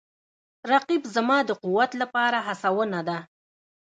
رقیب زما د قوت لپاره هڅونه ده